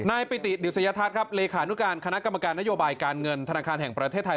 ปิติดิสยทัศน์ครับเลขานุการคณะกรรมการนโยบายการเงินธนาคารแห่งประเทศไทย